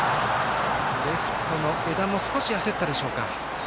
レフトも少し焦ったでしょうか。